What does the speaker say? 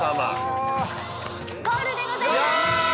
ゴールでございます！